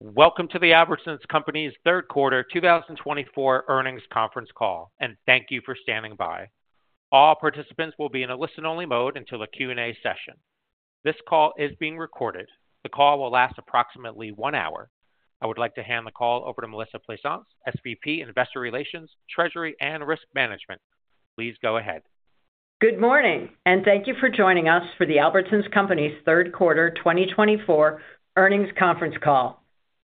Welcome to the Albertsons Companies' third quarter 2024 earnings conference call, and thank you for standing by. All participants will be in a listen-only mode until the Q&A session. This call is being recorded. The call will last approximately one hour. I would like to hand the call over to Melissa Plaisance, SVP, Investor Relations, Treasury, and Risk Management. Please go ahead. Good morning, and thank you for joining us for the Albertsons Companies' third quarter 2024 earnings conference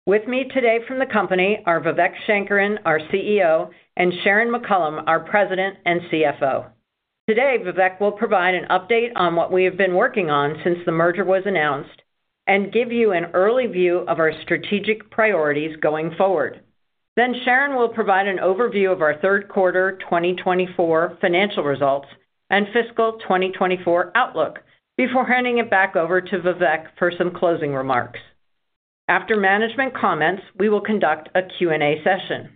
call. With me today from the company are Vivek Sankaran, our CEO, and Sharon McCollam, our President and CFO. Today, Vivek will provide an update on what we have been working on since the merger was announced and give you an early view of our strategic priorities going forward. Then Sharon will provide an overview of our third quarter 2024 financial results and fiscal 2024 outlook before handing it back over to Vivek for some closing remarks. After management comments, we will conduct a Q&A session.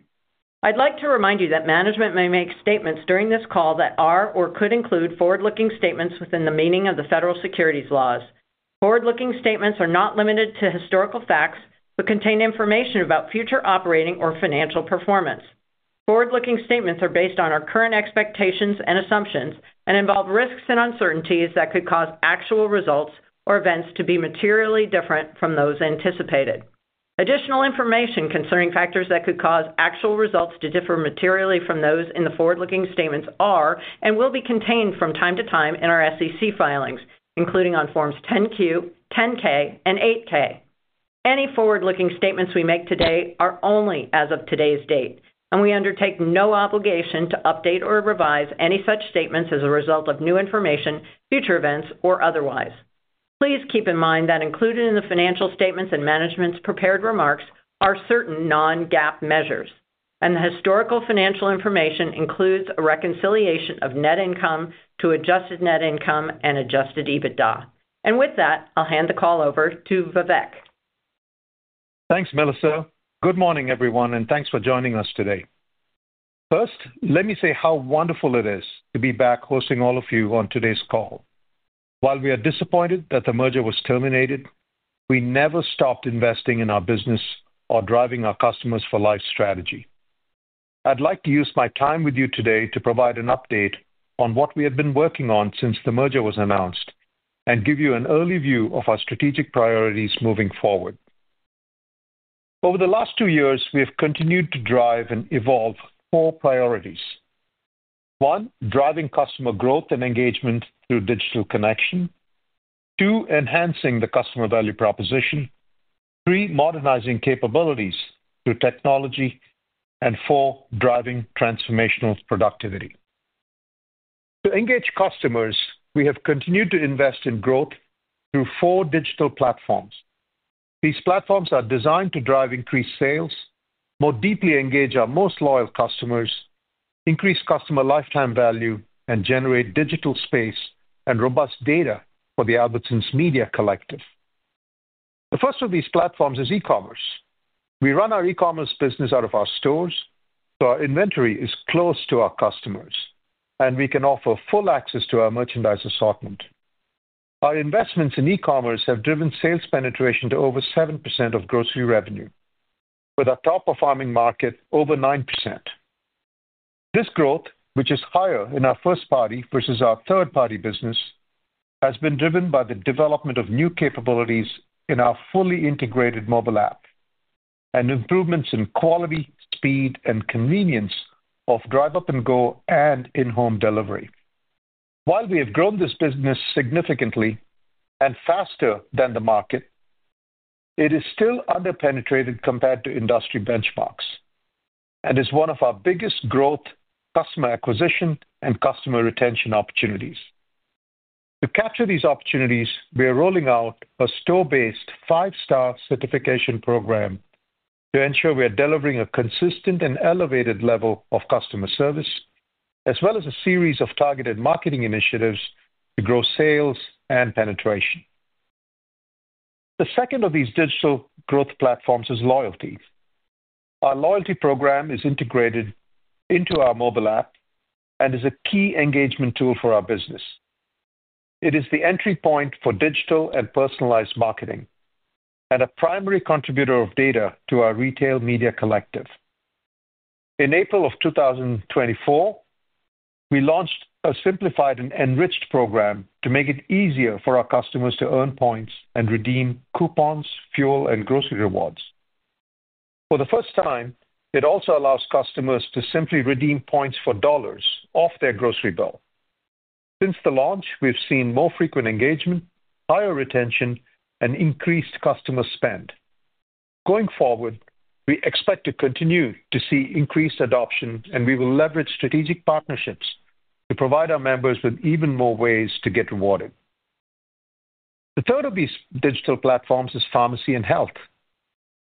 I'd like to remind you that management may make statements during this call that are or could include forward-looking statements within the meaning of the federal securities laws. Forward-looking statements are not limited to historical facts but contain information about future operating or financial performance. Forward-looking statements are based on our current expectations and assumptions and involve risks and uncertainties that could cause actual results or events to be materially different from those anticipated. Additional information concerning factors that could cause actual results to differ materially from those in the forward-looking statements are and will be contained from time to time in our SEC filings, including on Forms 10-Q, 10-K, and 8-K. Any forward-looking statements we make today are only as of today's date, and we undertake no obligation to update or revise any such statements as a result of new information, future events, or otherwise. Please keep in mind that included in the financial statements and management's prepared remarks are certain non-GAAP measures, and the historical financial information includes a reconciliation of net income to Adjusted Net Income and Adjusted EBITDA. And with that, I'll hand the call over to Vivek. Thanks, Melissa. Good morning, everyone, and thanks for joining us today. First, let me say how wonderful it is to be back hosting all of you on today's call. While we are disappointed that the merger was terminated, we never stopped investing in our business or driving our Customers for Life strategy. I'd like to use my time with you today to provide an update on what we have been working on since the merger was announced and give you an early view of our strategic priorities moving forward. Over the last two years, we have continued to drive and evolve four priorities: one, driving customer growth and engagement through digital connection; two, enhancing the customer value proposition; three, modernizing capabilities through technology; and four, driving transformational productivity. To engage customers, we have continued to invest in growth through four digital platforms. These platforms are designed to drive increased sales, more deeply engage our most loyal customers, increase customer lifetime value, and generate digital space and robust data for the Albertsons Media Collective. The first of these platforms is e-commerce. We run our e-commerce business out of our stores, so our inventory is close to our customers, and we can offer full access to our merchandise assortment. Our investments in e-commerce have driven sales penetration to over 7% of grocery revenue, with our top-performing market over 9%. This growth, which is higher in our first-party versus our third-party business, has been driven by the development of new capabilities in our fully integrated mobile app and improvements in quality, speed, and convenience of DriveUp & Go, and in-home delivery. While we have grown this business significantly and faster than the market, it is still underpenetrated compared to industry benchmarks and is one of our biggest growth customer acquisition and customer retention opportunities. To capture these opportunities, we are rolling out a store-based five-star certification program to ensure we are delivering a consistent and elevated level of customer service, as well as a series of targeted marketing initiatives to grow sales and penetration. The second of these digital growth platforms is loyalty. Our loyalty program is integrated into our mobile app and is a key engagement tool for our business. It is the entry point for digital and personalized marketing and a primary contributor of data to our Albertsons Media Collective. In April of 2024, we launched a simplified and enriched program to make it easier for our customers to earn points and redeem coupons, fuel, and grocery rewards. For the first time, it also allows customers to simply redeem points for dollars off their grocery bill. Since the launch, we've seen more frequent engagement, higher retention, and increased customer spend. Going forward, we expect to continue to see increased adoption, and we will leverage strategic partnerships to provide our members with even more ways to get rewarded. The third of these digital platforms is pharmacy and health.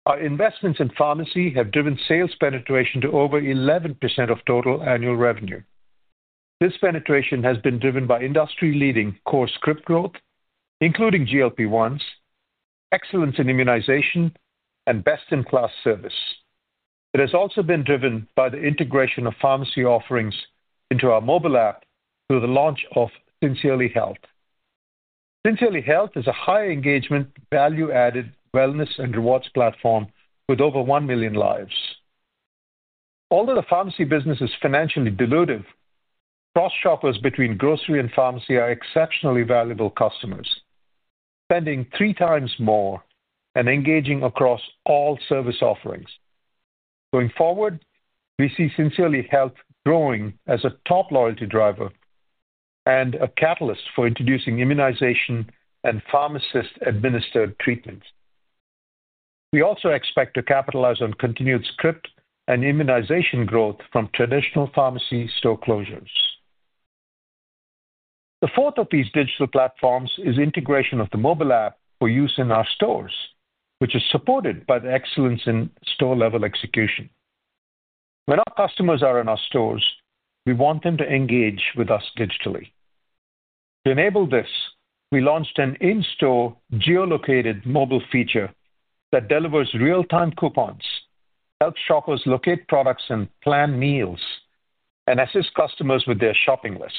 Our investments in pharmacy have driven sales penetration to over 11% of total annual revenue. This penetration has been driven by industry-leading core script growth, including GLP-1s, excellence in immunization, and best-in-class service. It has also been driven by the integration of pharmacy offerings into our mobile app through the launch of Sincerely Health. Sincerely Health is a high-engagement, value-added wellness and rewards platform with over one million lives. Although the pharmacy business is financially dilutive, cross-shoppers between grocery and pharmacy are exceptionally valuable customers, spending three times more and engaging across all service offerings. Going forward, we see Sincerely Health growing as a top loyalty driver and a catalyst for introducing immunization and pharmacist-administered treatments. We also expect to capitalize on continued script and immunization growth from traditional pharmacy store closures. The fourth of these digital platforms is integration of the mobile app for use in our stores, which is supported by the excellence in store-level execution. When our customers are in our stores, we want them to engage with us digitally. To enable this, we launched an in-store geolocated mobile feature that delivers real-time coupons, helps shoppers locate products and plan meals, and assists customers with their shopping lists.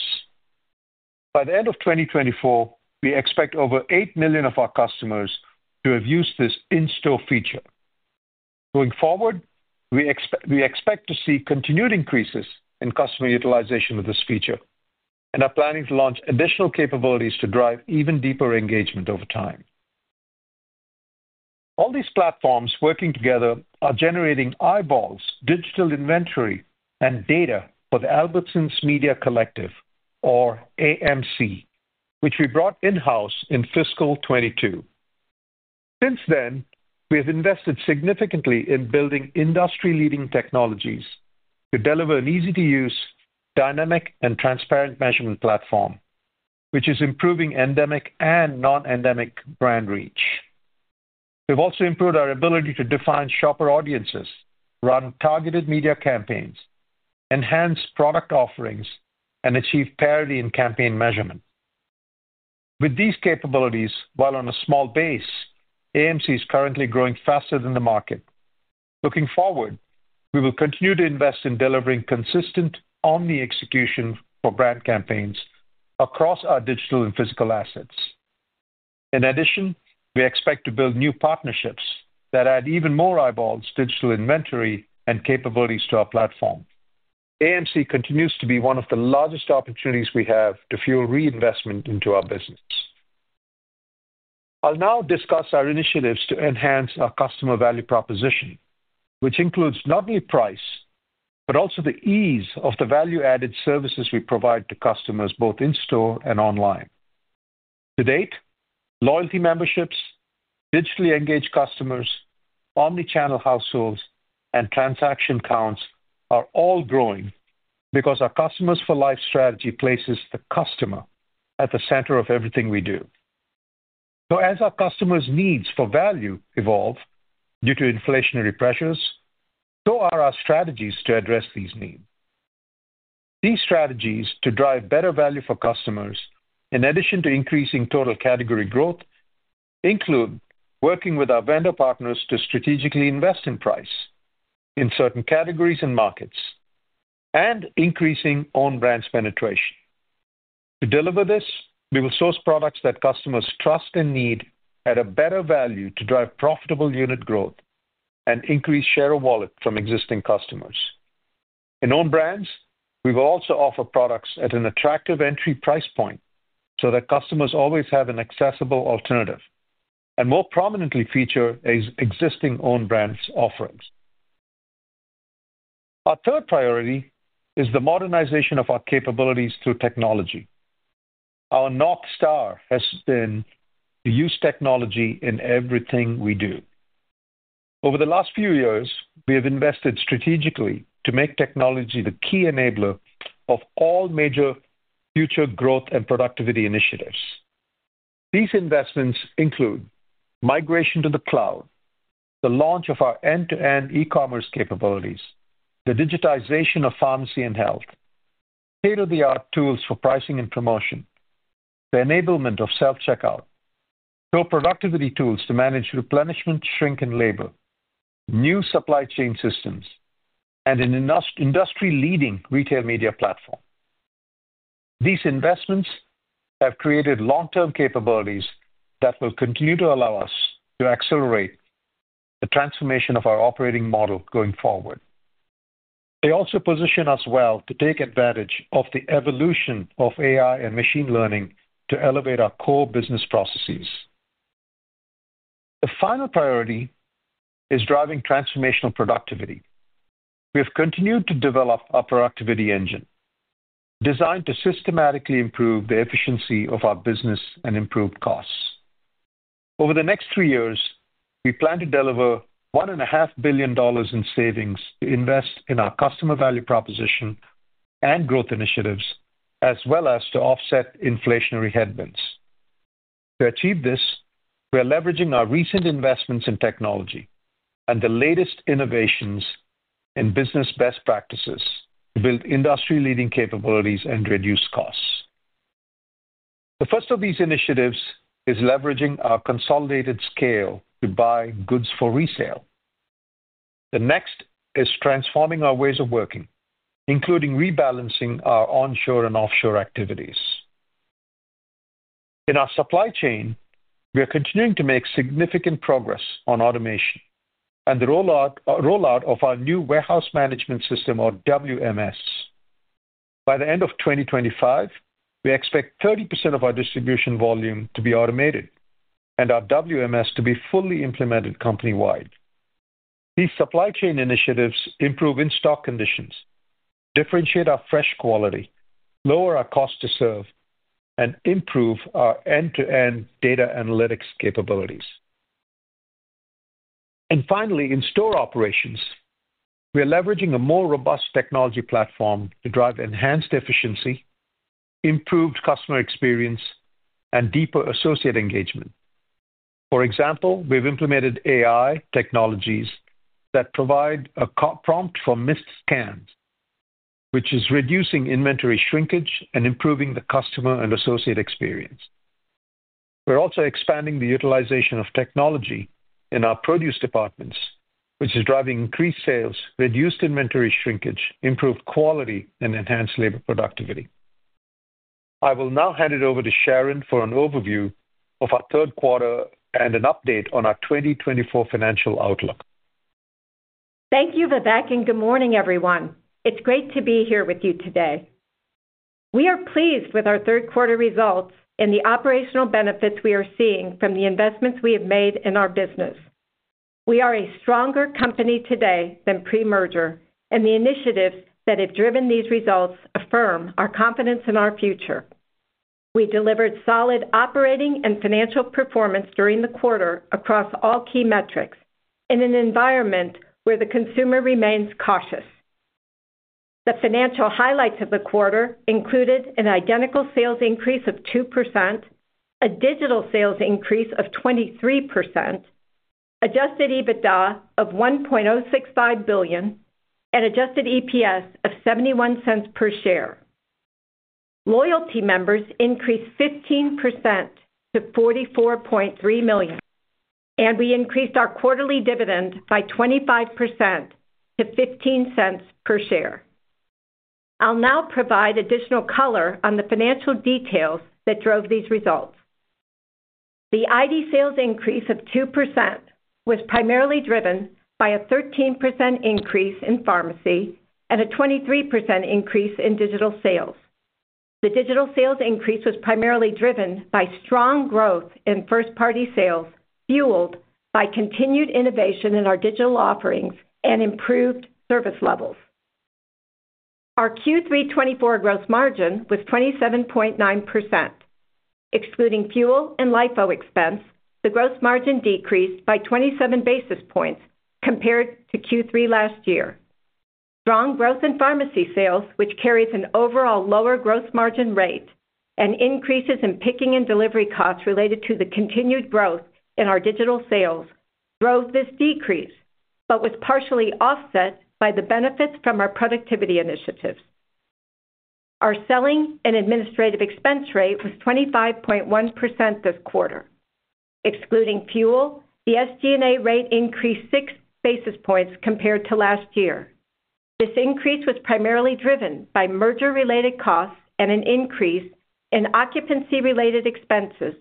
By the end of 2024, we expect over eight million of our customers to have used this in-store feature. Going forward, we expect to see continued increases in customer utilization with this feature, and are planning to launch additional capabilities to drive even deeper engagement over time. All these platforms working together are generating eyeballs, digital inventory, and data for the Albertsons Media Collective, or AMC, which we brought in-house in fiscal 2022. Since then, we have invested significantly in building industry-leading technologies to deliver an easy-to-use, dynamic, and transparent measurement platform, which is improving endemic and non-endemic brand reach. We've also improved our ability to define shopper audiences, run targeted media campaigns, enhance product offerings, and achieve parity in campaign measurement. With these capabilities, while on a small base, AMC is currently growing faster than the market. Looking forward, we will continue to invest in delivering consistent omni-execution for brand campaigns across our digital and physical assets. In addition, we expect to build new partnerships that add even more eyeballs, digital inventory, and capabilities to our platform. AMC continues to be one of the largest opportunities we have to fuel reinvestment into our business. I'll now discuss our initiatives to enhance our customer value proposition, which includes not only price but also the ease of the value-added services we provide to customers both in-store and online. To date, loyalty memberships, digitally engaged customers, omnichannel households, and transaction counts are all growing because our Customers for Life strategy places the customer at the center of everything we do. As our customers' needs for value evolve due to inflationary pressures, so are our strategies to address these needs. These strategies to drive better value for customers, in addition to increasing total category growth, include working with our vendor partners to strategically invest in price in certain categories and markets and increasing Own Brands penetration. To deliver this, we will source products that customers trust and need at a better value to drive profitable unit growth and increase share of wallet from existing customers. In Own Brands, we will also offer products at an attractive entry price point so that customers always have an accessible alternative and more prominently feature existing Own Brands offerings. Our third priority is the modernization of our capabilities through technology. Our North Star has been to use technology in everything we do. Over the last few years, we have invested strategically to make technology the key enabler of all major future growth and productivity initiatives. These investments include migration to the cloud, the launch of our end-to-end e-commerce capabilities, the digitization of pharmacy and health, state-of-the-art tools for pricing and promotion, the enablement of self-checkout, store productivity tools to manage replenishment, shrink, and labor, new supply chain systems, and an industry-leading retail media platform. These investments have created long-term capabilities that will continue to allow us to accelerate the transformation of our operating model going forward. They also position us well to take advantage of the evolution of AI and machine learning to elevate our core business processes. The final priority is driving transformational productivity. We have continued to develop our productivity engine designed to systematically improve the efficiency of our business and improve costs. Over the next three years, we plan to deliver $1.5 billion in savings to invest in our customer value proposition and growth initiatives, as well as to offset inflationary headwinds. To achieve this, we are leveraging our recent investments in technology and the latest innovations in business best practices to build industry-leading capabilities and reduce costs. The first of these initiatives is leveraging our consolidated scale to buy goods for resale. The next is transforming our ways of working, including rebalancing our onshore and offshore activities. In our supply chain, we are continuing to make significant progress on automation and the rollout of our new warehouse management system, or WMS. By the end of 2025, we expect 30% of our distribution volume to be automated and our WMS to be fully implemented company-wide. These supply chain initiatives improve in-stock conditions, differentiate our fresh quality, lower our cost to serve, and improve our end-to-end data analytics capabilities. And finally, in store operations, we are leveraging a more robust technology platform to drive enhanced efficiency, improved customer experience, and deeper associate engagement. For example, we have implemented AI technologies that provide a prompt for missed scans, which is reducing inventory shrinkage and improving the customer and associate experience. We're also expanding the utilization of technology in our produce departments, which is driving increased sales, reduced inventory shrinkage, improved quality, and enhanced labor productivity. I will now hand it over to Sharon for an overview of our third quarter and an update on our 2024 financial outlook. Thank you, Vivek, and good morning, everyone. It's great to be here with you today. We are pleased with our third-quarter results and the operational benefits we are seeing from the investments we have made in our business. We are a stronger company today than pre-merger, and the initiatives that have driven these results affirm our confidence in our future. We delivered solid operating and financial performance during the quarter across all key metrics in an environment where the consumer remains cautious. The financial highlights of the quarter included an identical sales increase of 2%, a digital sales increase of 23%, Adjusted EBITDA of $1.065 billion, and Adjusted EPS of $0.71 per share. Loyalty members increased 15% to 44.3 million, and we increased our quarterly dividend by 25% to $0.15 per share. I'll now provide additional color on the financial details that drove these results. The ID sales increase of 2% was primarily driven by a 13% increase in pharmacy and a 23% increase in digital sales. The digital sales increase was primarily driven by strong growth in first-party sales, fueled by continued innovation in our digital offerings and improved service levels. Our Q3 2024 gross margin was 27.9%. Excluding fuel and LIFO expense, the gross margin decreased by 27 basis points compared to Q3 last year. Strong growth in pharmacy sales, which carries an overall lower gross margin rate and increases in picking and delivery costs related to the continued growth in our digital sales, drove this decrease but was partially offset by the benefits from our productivity initiatives. Our selling and administrative expense rate was 25.1% this quarter. Excluding fuel, the SG&A rate increased 6 basis points compared to last year. This increase was primarily driven by merger-related costs and an increase in occupancy-related expenses,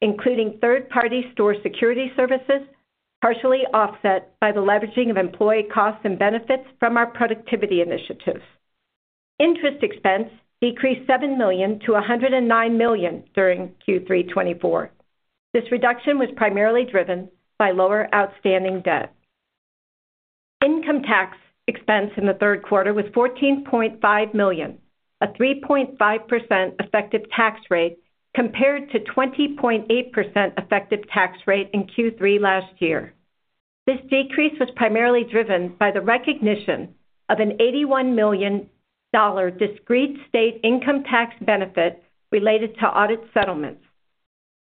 including third-party store security services, partially offset by the leveraging of employee costs and benefits from our productivity initiatives. Interest expense decreased $7 million-$109 million during Q3 2024. This reduction was primarily driven by lower outstanding debt. Income tax expense in the third quarter was $14.5 million, a 3.5% effective tax rate compared to 20.8% effective tax rate in Q3 last year. This decrease was primarily driven by the recognition of an $81 million discrete state income tax benefit related to audit settlements.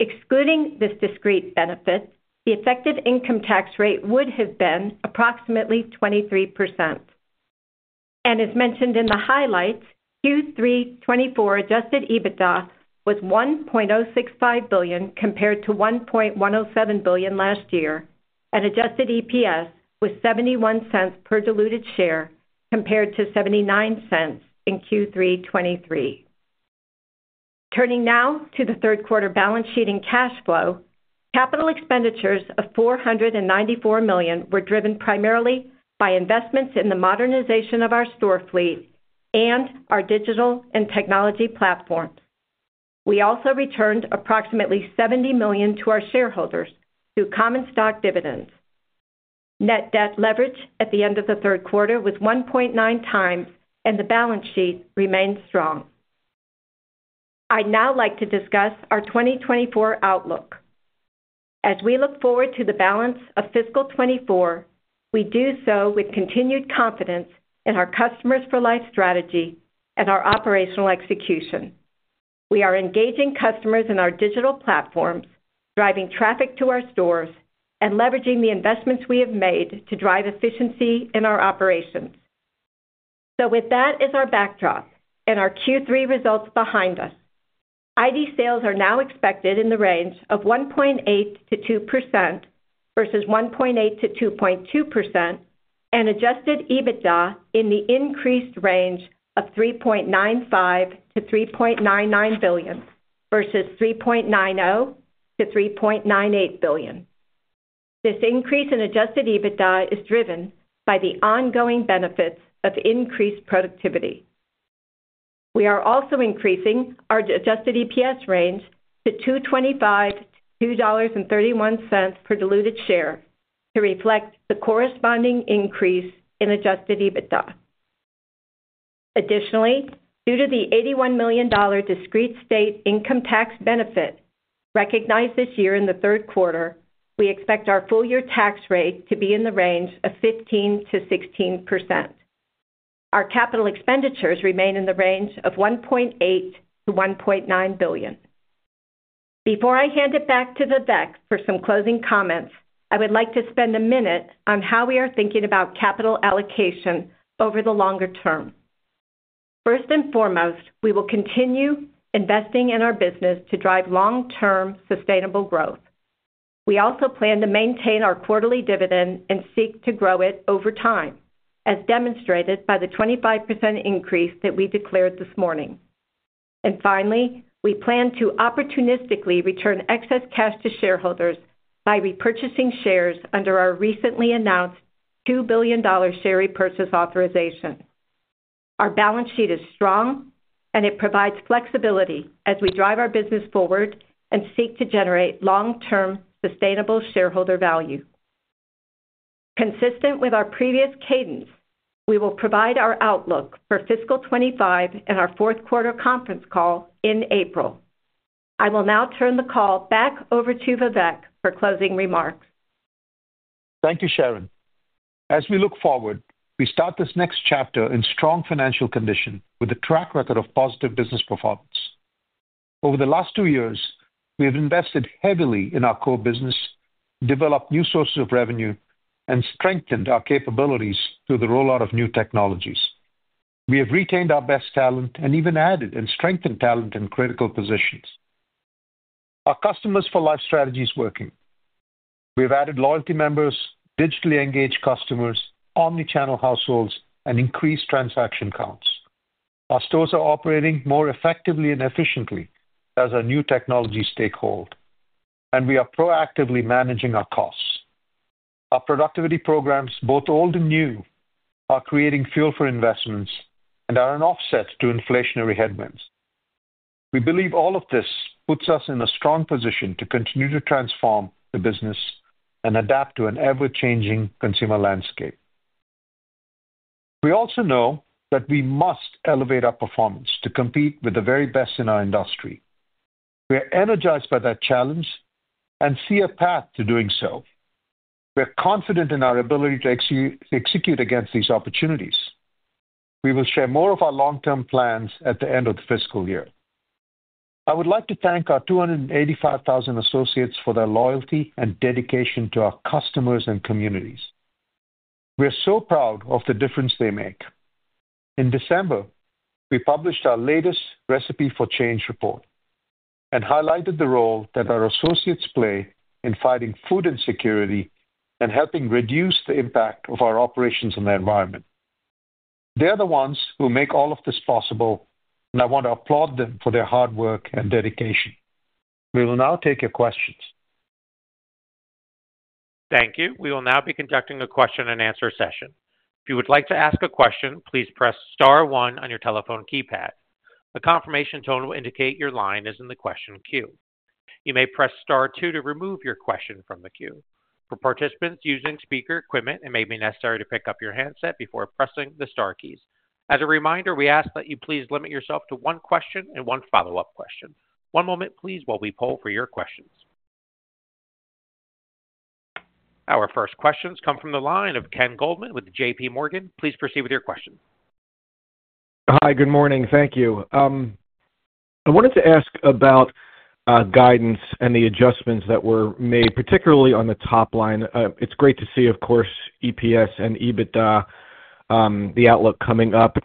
Excluding this discrete benefit, the effective income tax rate would have been approximately 23%, and as mentioned in the highlights, Q3 2024 Adjusted EBITDA was $1.065 billion compared to $1.107 billion last year, and Adjusted EPS was $0.71 per diluted share compared to $0.79 in Q3 2023. Turning now to the third-quarter balance sheet and cash flow, capital expenditures of $494 million were driven primarily by investments in the modernization of our store fleet and our digital and technology platforms. We also returned approximately $70 million to our shareholders through common stock dividends. Net debt leverage at the end of the third quarter was 1.9x, and the balance sheet remained strong. I'd now like to discuss our 2024 outlook. As we look forward to the balance of fiscal 2024, we do so with continued confidence in our Customers for Life strategy and our operational execution. We are engaging customers in our digital platforms, driving traffic to our stores, and leveraging the investments we have made to drive efficiency in our operations. So with that is our backdrop and our Q3 results behind us. ID sales are now expected in the range of 1.8%-2% versus 1.8%-2.2%, and Adjusted EBITDA in the increased range of $3.95-$3.99 billion versus $3.90-$3.98 billion. This increase in Adjusted EBITDA is driven by the ongoing benefits of increased productivity. We are also increasing our Adjusted EPS range to $2.25-$2.31 per diluted share to reflect the corresponding increase in Adjusted EBITDA. Additionally, due to the $81 million discrete state income tax benefit recognized this year in the third quarter, we expect our full-year tax rate to be in the range of 15%-16%. Our capital expenditures remain in the range of $1.8-$1.9 billion. Before I hand it back to Vivek for some closing comments, I would like to spend a minute on how we are thinking about capital allocation over the longer term. First and foremost, we will continue investing in our business to drive long-term sustainable growth. We also plan to maintain our quarterly dividend and seek to grow it over time, as demonstrated by the 25% increase that we declared this morning. And finally, we plan to opportunistically return excess cash to shareholders by repurchasing shares under our recently announced $2 billion share repurchase authorization. Our balance sheet is strong, and it provides flexibility as we drive our business forward and seek to generate long-term sustainable shareholder value. Consistent with our previous cadence, we will provide our outlook for fiscal 2025 and our fourth quarter conference call in April. I will now turn the call back over to Vivek for closing remarks. Thank you, Sharon. As we look forward, we start this next chapter in strong financial condition with a track record of positive business performance. Over the last two years, we have invested heavily in our core business, developed new sources of revenue, and strengthened our capabilities through the rollout of new technologies. We have retained our best talent and even added and strengthened talent in critical positions. Customers for Life strategy is working. We have added loyalty members, digitally engaged customers, omnichannel households, and increased transaction counts. Our stores are operating more effectively and efficiently as our new technology takes hold and we are proactively managing our costs. Our productivity programs, both old and new, are creating fuel for investments and are an offset to inflationary headwinds. We believe all of this puts us in a strong position to continue to transform the business and adapt to an ever-changing consumer landscape. We also know that we must elevate our performance to compete with the very best in our industry. We are energized by that challenge and see a path to doing so. We are confident in our ability to execute against these opportunities. We will share more of our long-term plans at the end of the fiscal year. I would like to thank our 285,000 associates for their loyalty and dedication to our customers and communities. We are so proud of the difference they make. In December, we published our latest Recipe for Change report and highlighted the role that our associates play in fighting food insecurity and helping reduce the impact of our operations on the environment. They are the ones who make all of this possible, and I want to applaud them for their hard work and dedication. We will now take your questions. Thank you. We will now be conducting a question-and-answer session. If you would like to ask a question, please press Star 1 on your telephone keypad. A confirmation tone will indicate your line is in the question queue. You may press Star 2 to remove your question from the queue. For participants using speaker equipment, it may be necessary to pick up your handset before pressing the Star keys. As a reminder, we ask that you please limit yourself to one question and one follow-up question. One moment, please, while we poll for your questions. Our first questions come from the line of Ken Goldman with J.P. Morgan. Please proceed with your question. Hi, good morning. Thank you. I wanted to ask about guidance and the adjustments that were made, particularly on the top line. It's great to see, of course, EPS and EBITDA, the outlook coming up.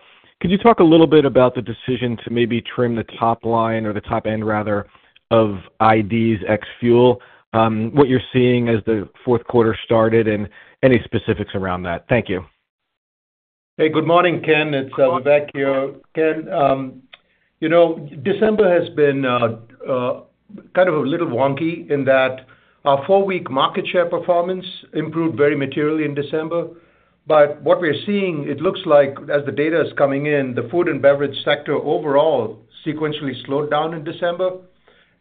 Could you talk a little bit about the decision to maybe trim the top line or the top end, rather, of IDs ex-fuel, what you're seeing as the fourth quarter started, and any specifics around that? Thank you. Hey, good morning, Ken. It's Vivek here. Ken, you know December has been kind of a little wonky in that our four-week market share performance improved very materially in December. But what we're seeing, it looks like, as the data is coming in, the food and beverage sector overall sequentially slowed down in December,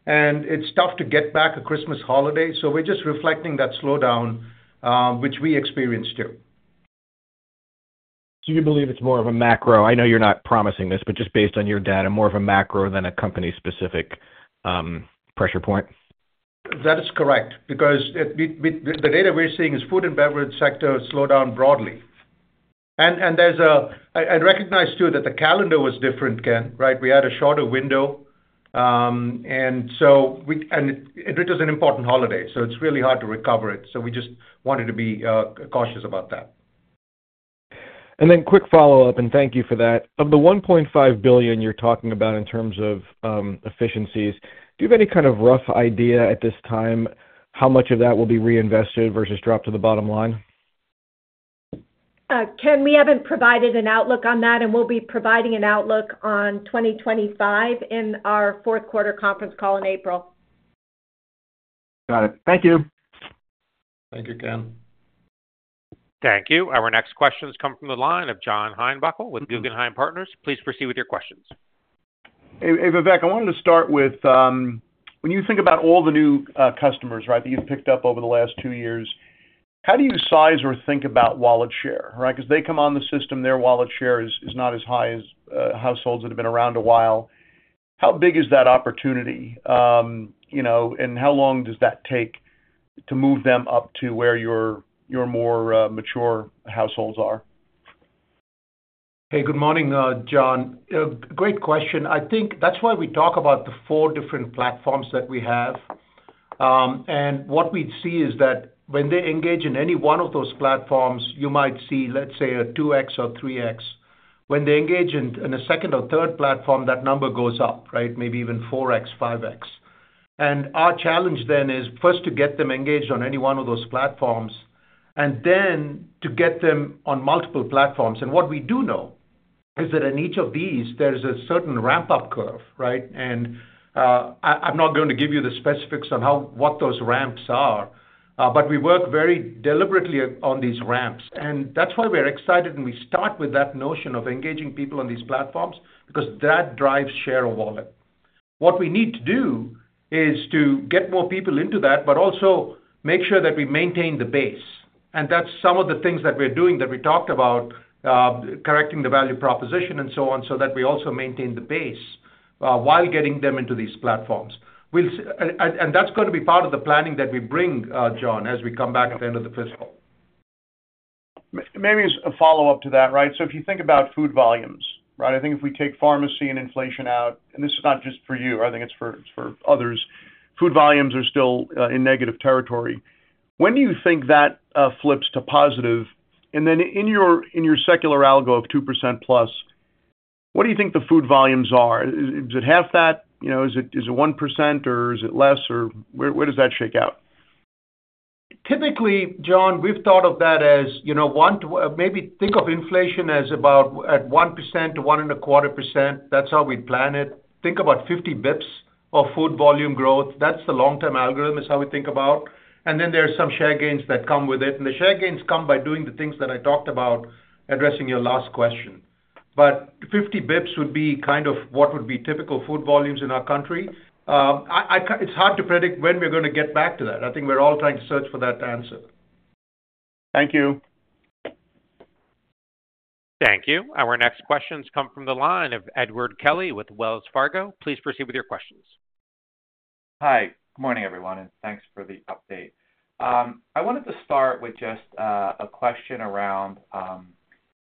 and it's tough to get back a Christmas holiday. So we're just reflecting that slowdown, which we experienced too. So you believe it's more of a macro? I know you're not promising this, but just based on your data, more of a macro than a company-specific pressure point? That is correct because the data we're seeing is the food and beverage sector slowed down broadly. And I recognize too that the calendar was different, Ken, right? We had a shorter window, and it was an important holiday, so it's really hard to recover it. So we just wanted to be cautious about that. And then quick follow-up, and thank you for that. Of the $1.5 billion you're talking about in terms of efficiencies, do you have any kind of rough idea at this time how much of that will be reinvested versus dropped to the bottom line? Ken, we haven't provided an outlook on that, and we'll be providing an outlook on 2025 in our fourth quarter conference call in April. Got it. Thank you. Thank you, Ken. Thank you. Our next questions come from the line of John Heinbockel with Guggenheim Partners. Please proceed with your questions. Hey, Vivek, I wanted to start with, when you think about all the new customers, right, that you've picked up over the last two years, how do you size or think about wallet share, right? Because they come on the system, their wallet share is not as high as households that have been around a while. How big is that opportunity, and how long does that take to move them up to where your more mature households are? Hey, good morning, John. Great question. I think that's why we talk about the four different platforms that we have. And what we see is that when they engage in any one of those platforms, you might see, let's say, a 2x or 3x. When they engage in a second or third platform, that number goes up, right? Maybe even 4x, 5x. And our challenge then is first to get them engaged on any one of those platforms and then to get them on multiple platforms. And what we do know is that in each of these, there's a certain ramp-up curve, right? And I'm not going to give you the specifics on what those ramps are, but we work very deliberately on these ramps. And that's why we're excited, and we start with that notion of engaging people on these platforms because that drives share of wallet. What we need to do is to get more people into that, but also make sure that we maintain the base. And that's some of the things that we're doing that we talked about, correcting the value proposition and so on, so that we also maintain the base while getting them into these platforms. And that's going to be part of the planning that we bring, John, as we come back at the end of the fiscal. Maybe a follow-up to that, right? So if you think about food volumes, right? I think if we take pharmacy and inflation out, and this is not just for you, I think it's for others, food volumes are still in negative territory. When do you think that flips to positive? And then in your secular algo of 2% plus, what do you think the food volumes are? Is it half that? Is it 1%, or is it less, or where does that shake out? Typically, John, we've thought of that as maybe think of inflation as about at 1%-1.25%. That's how we plan it. Think about 50 basis points of food volume growth. That's the long-term algorithm is how we think about. And then there are some share gains that come with it. And the share gains come by doing the things that I talked about addressing your last question. But 50 basis points would be kind of what would be typical food volumes in our country. It's hard to predict when we're going to get back to that. I think we're all trying to search for that answer. Thank you. Thank you. Our next questions come from the line of Edward Kelly with Wells Fargo. Please proceed with your questions. Hi, good morning, everyone, and thanks for the update. I wanted to start with just a question around investment.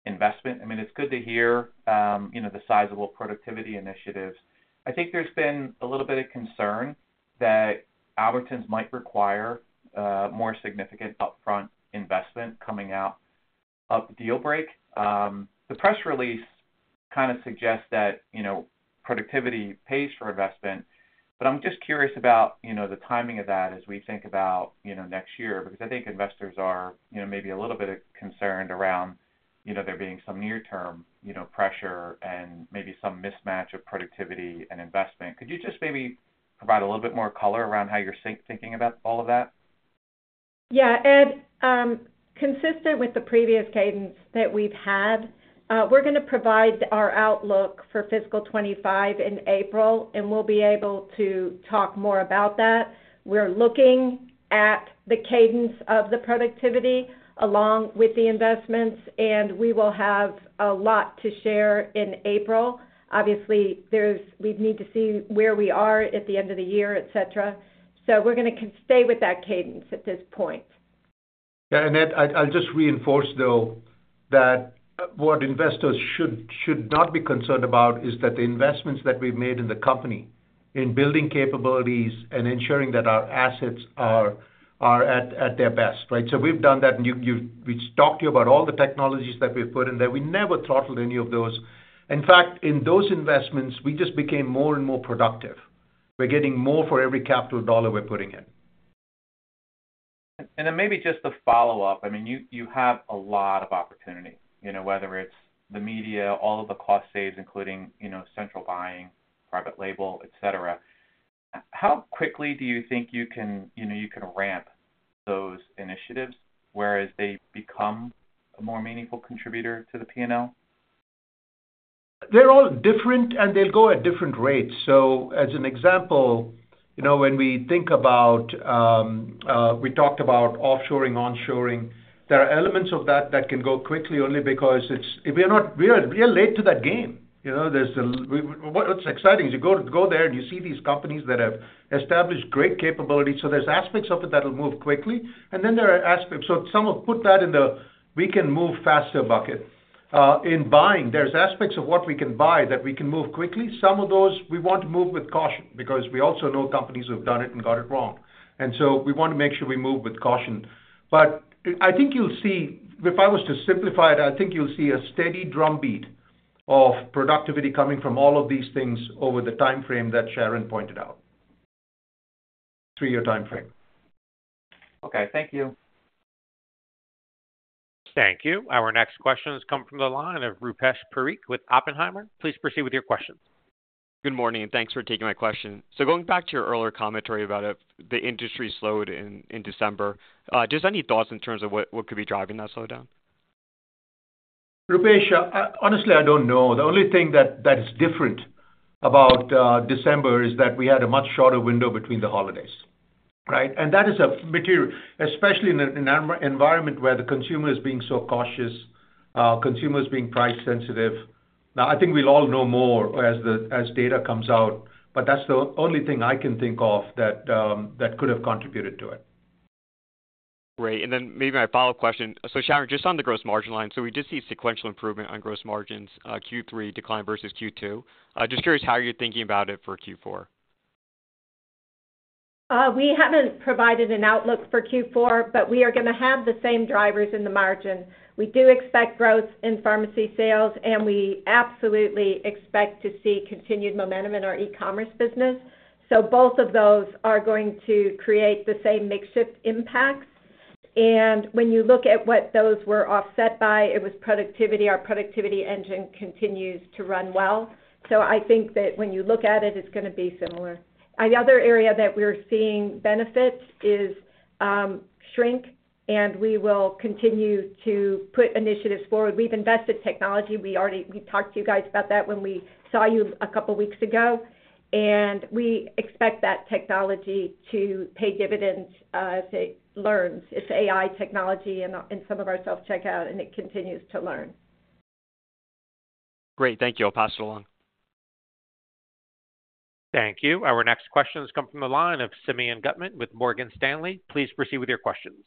I mean, it's good to hear the sizable productivity initiatives. I think there's been a little bit of concern that Albertsons might require more significant upfront investment coming out of the deal break. The press release kind of suggests that productivity pays for investment, but I'm just curious about the timing of that as we think about next year because I think investors are maybe a little bit concerned around there being some near-term pressure and maybe some mismatch of productivity and investment. Could you just maybe provide a little bit more color around how you're thinking about all of that? Yeah. Ed, consistent with the previous cadence that we've had, we're going to provide our outlook for fiscal 2025 in April, and we'll be able to talk more about that. We're looking at the cadence of the productivity along with the investments, and we will have a lot to share in April. Obviously, we need to see where we are at the end of the year, etc. So we're going to stay with that cadence at this point. Yeah. And Ed, I'll just reinforce, though, that what investors should not be concerned about is that the investments that we've made in the company, in building capabilities and ensuring that our assets are at their best, right? So we've done that, and we've talked to you about all the technologies that we've put in there. We never throttled any of those. In fact, in those investments, we just became more and more productive. We're getting more for every capital dollar we're putting in. And then maybe just the follow-up. I mean, you have a lot of opportunity, whether it's the media, all of the cost saves, including central buying, private label, etc. How quickly do you think you can ramp those initiatives whereas they become a more meaningful contributor to the P&L? They're all different, and they'll go at different rates. As an example, when we think about we talked about offshoring, onshoring, there are elements of that that can go quickly only because we are late to that game. What's exciting is you go there, and you see these companies that have established great capability. There's aspects of it that'll move quickly. Then there are aspects, so some will put that in the we can move faster bucket. In buying, there's aspects of what we can buy that we can move quickly. Some of those, we want to move with caution because we also know companies who have done it and got it wrong. We want to make sure we move with caution. But I think you'll see if I was to simplify it, I think you'll see a steady drumbeat of productivity coming from all of these things over the timeframe that Sharon pointed out, three-year timeframe. Okay. Thank you. Thank you. Our next questions come from the line of Rupesh Parikh with Oppenheimer. Please proceed with your questions. Good morning, and thanks for taking my question. So going back to your earlier commentary about the industry slowed in December, just any thoughts in terms of what could be driving that slowdown? Rupesh, honestly, I don't know. The only thing that is different about December is that we had a much shorter window between the holidays, right? And that is a material, especially in an environment where the consumer is being so cautious, consumers being price-sensitive. Now, I think we'll all know more as data comes out, but that's the only thing I can think of that could have contributed to it. Great. And then maybe my follow-up question. So Sharon, just on the gross margin line, so we did see sequential improvement on gross margins, Q3 decline versus Q2. Just curious how you're thinking about it for Q4. We haven't provided an outlook for Q4, but we are going to have the same drivers in the margin. We do expect growth in pharmacy sales, and we absolutely expect to see continued momentum in our e-commerce business. So both of those are going to create the same mix shift impacts. And when you look at what those were offset by, it was productivity. Our productivity engine continues to run well. So I think that when you look at it, it's going to be similar. The other area that we're seeing benefits is shrink, and we will continue to put initiatives forward. We've invested technology. We talked to you guys about that when we saw you a couple of weeks ago, and we expect that technology to pay dividends as it learns. It's AI technology in some of our self-checkout, and it continues to learn. Great. Thank you. I'll pass it along. Thank you. Our next questions come from the line of Simeon Gutman with Morgan Stanley. Please proceed with your questions.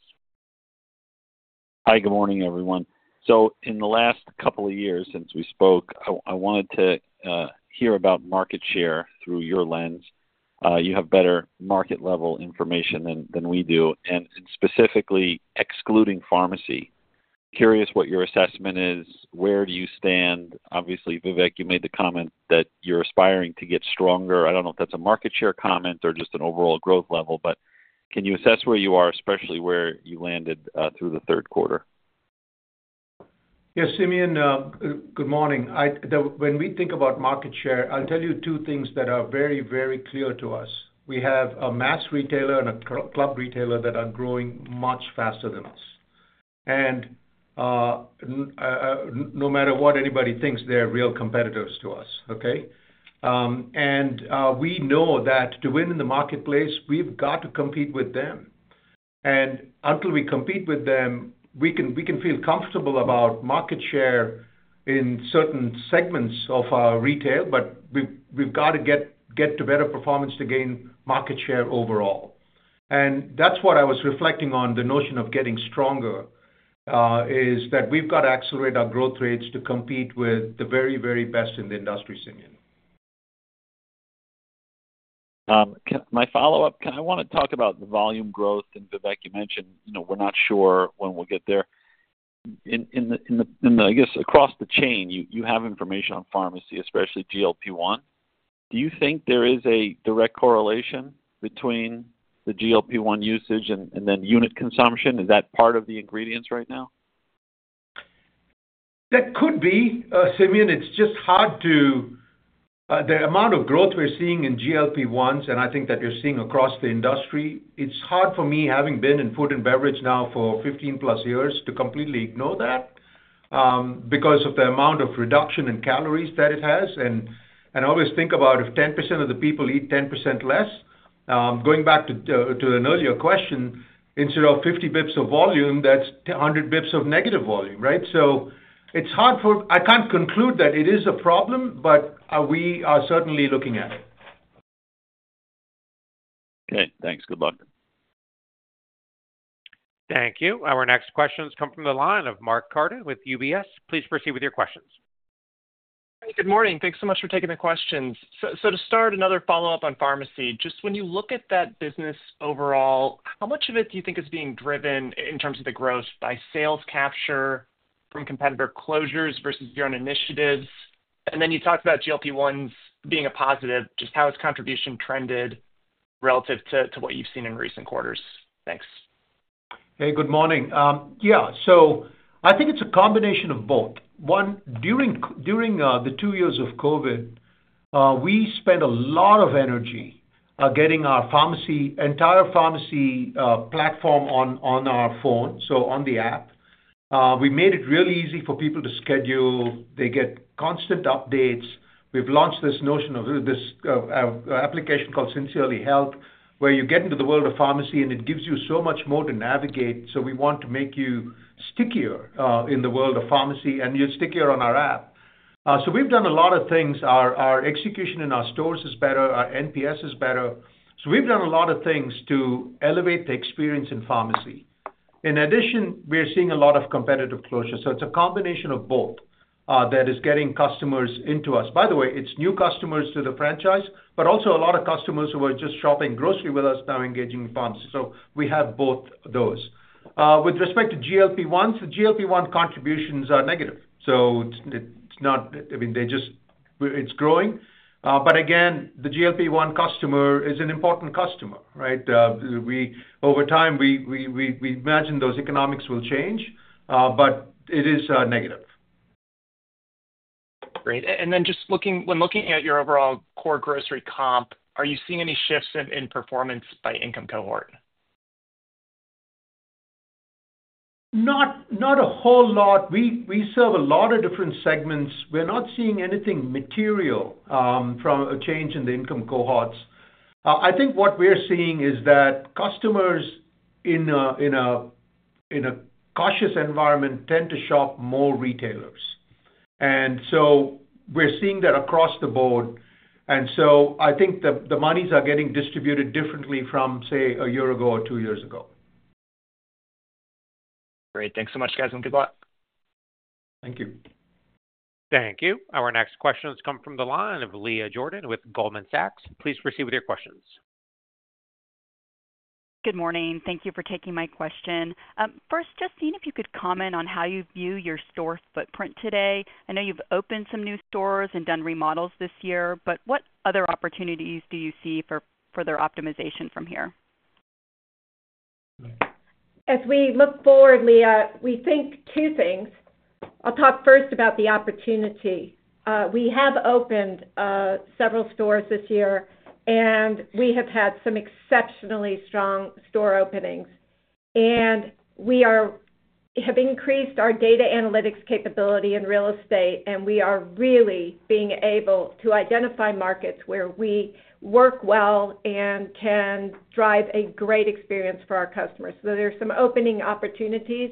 Hi, good morning, everyone, so in the last couple of years since we spoke, I wanted to hear about market share through your lens. You have better market-level information than we do, and specifically excluding pharmacy. Curious what your assessment is. Where do you stand? Obviously, Vivek, you made the comment that you're aspiring to get stronger. I don't know if that's a market share comment or just an overall growth level, but can you assess where you are, especially where you landed through the third quarter? Yes, Simeon, good morning. When we think about market share, I'll tell you two things that are very, very clear to us. We have a mass retailer and a club retailer that are growing much faster than us. And no matter what, anybody thinks they're real competitors to us, okay? And we know that to win in the marketplace, we've got to compete with them. And until we compete with them, we can feel comfortable about market share in certain segments of our retail, but we've got to get to better performance to gain market share overall. And that's what I was reflecting on, the notion of getting stronger, is that we've got to accelerate our growth rates to compete with the very, very best in the industry, Simeon. My follow-up, I want to talk about the volume growth. And Vivek, you mentioned we're not sure when we'll get there. In the, I guess, across the chain, you have information on pharmacy, especially GLP-1. Do you think there is a direct correlation between the GLP-1 usage and then unit consumption? Is that part of the ingredients right now? That could be, Simeon. It's just hard to the amount of growth we're seeing in GLP-1s, and I think that you're seeing across the industry. It's hard for me, having been in food and beverage now for 15-plus years, to completely ignore that because of the amount of reduction in calories that it has. And I always think about if 10% of the people eat 10% less. Going back to an earlier question, instead of 50 basis points of volume, that's 100 basis points of negative volume, right? So it's hard. I can't conclude that it is a problem, but we are certainly looking at it. Okay. Thanks. Good luck. Thank you. Our next questions come from the line of Mark Carden with UBS. Please proceed with your questions. Hey, good morning. Thanks so much for taking the questions. So to start, another follow-up on pharmacy. Just when you look at that business overall, how much of it do you think is being driven in terms of the growth by sales capture from competitor closures versus your own initiatives? And then you talked about GLP-1s being a positive. Just how has contribution trended relative to what you've seen in recent quarters? Thanks. Hey, good morning. Yeah. So I think it's a combination of both. One, during the two years of COVID, we spent a lot of energy getting our entire pharmacy platform on our phone, so on the app. We made it really easy for people to schedule. They get constant updates. We've launched this notion of this application called Sincerely Health, where you get into the world of pharmacy, and it gives you so much more to navigate. So we want to make you stickier in the world of pharmacy, and you're stickier on our app. So we've done a lot of things. Our execution in our stores is better. Our NPS is better. So we've done a lot of things to elevate the experience in pharmacy. In addition, we're seeing a lot of competitive closure. So it's a combination of both that is getting customers into us. By the way, it's new customers to the franchise, but also a lot of customers who are just shopping grocery with us now engaging in pharmacy. So we have both of those. With respect to GLP-1s, the GLP-1 contributions are negative. So it's not. I mean, they're just. It's growing. But again, the GLP-1 customer is an important customer, right? Over time, we imagine those economics will change, but it is negative. Great. And then just looking when looking at your overall core grocery comp, are you seeing any shifts in performance by income cohort? Not a whole lot. We serve a lot of different segments. We're not seeing anything material from a change in the income cohorts. I think what we're seeing is that customers in a cautious environment tend to shop more retailers. And so we're seeing that across the board. And so I think the monies are getting distributed differently from, say, a year ago or two years ago. Great. Thanks so much, guys, and good luck. Thank you. Thank you. Our next questions come from the line of Leah Jordan with Goldman Sachs. Please proceed with your questions. Good morning. Thank you for taking my question. First, just seeing if you could comment on how you view your store footprint today. I know you've opened some new stores and done remodels this year, but what other opportunities do you see for further optimization from here? As we look forward, Leah, we think two things. I'll talk first about the opportunity. We have opened several stores this year, and we have had some exceptionally strong store openings. And we have increased our data analytics capability in real estate, and we are really being able to identify markets where we work well and can drive a great experience for our customers. So there are some opening opportunities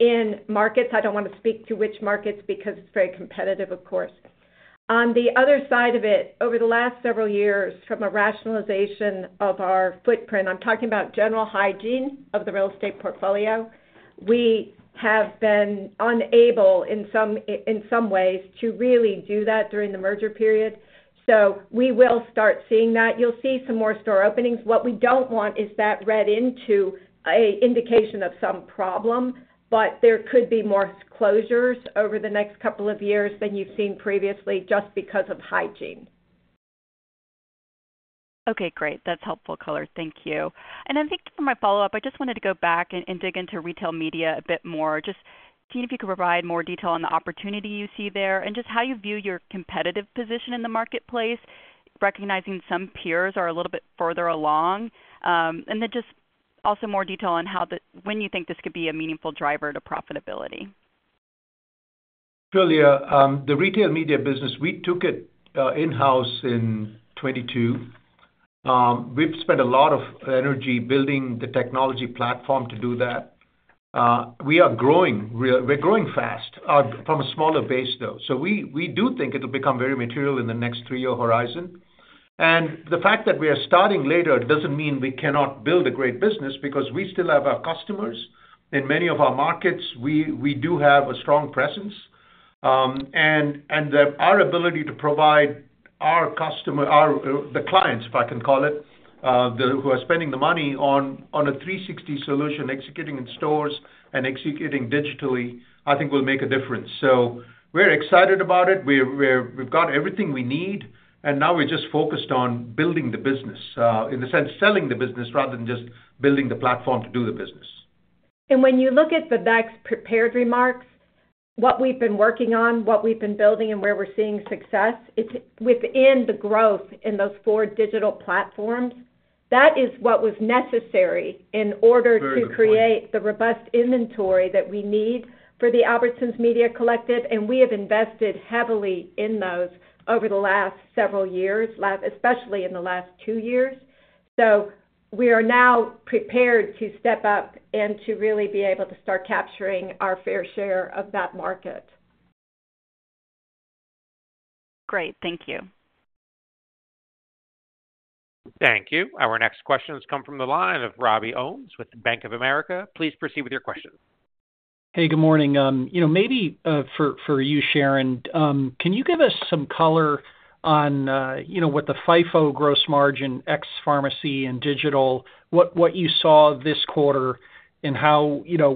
in markets. I don't want to speak to which markets because it's very competitive, of course. On the other side of it, over the last several years, from a rationalization of our footprint, I'm talking about general hygiene of the real estate portfolio. We have been unable in some ways to really do that during the merger period. So we will start seeing that. You'll see some more store openings. What we don't want is that read into an indication of some problem, but there could be more closures over the next couple of years than you've seen previously just because of hygiene. Okay. Great. That's helpful color. Thank you. And then, thank you for my follow-up. I just wanted to go back and dig into retail media a bit more. Just seeing if you could provide more detail on the opportunity you see there and just how you view your competitive position in the marketplace, recognizing some peers are a little bit further along. And then just also more detail on when you think this could be a meaningful driver to profitability. Sure, Leah. The retail media business, we took it in-house in 2022. We've spent a lot of energy building the technology platform to do that. We are growing. We're growing fast from a smaller base, though. So we do think it'll become very material in the next three-year horizon. And the fact that we are starting later doesn't mean we cannot build a great business because we still have our customers in many of our markets. We do have a strong presence, and our ability to provide our customer, the clients, if I can call it, who are spending the money on a 360 solution, executing in stores and executing digitally, I think will make a difference, so we're excited about it. We've got everything we need, and now we're just focused on building the business, in the sense selling the business rather than just building the platformto do the business. And when you look at Vivek's prepared remarks, what we've been working on, what we've been building, and where we're seeing success, it's within the growth in those four digital platforms. That is what was necessary in order to create the robust inventory that we need for the Albertsons Media Collective, and we have invested heavily in those over the last several years, especially in the last two years. So we are now prepared to step up and to really be able to start capturing our fair share of that market. Great. Thank you. Thank you. Our next questions come from the line of Robby Ohmes with Bank of America. Please proceed with your questions. Hey, good morning. Maybe for you, Sharon, can you give us some color on what the FIFO gross margin ex-pharmacy and digital, what you saw this quarter, and